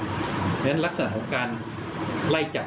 ทำให้เกิดตัวราดหลักเจ็บรัคสรรค์ของการไล่จับ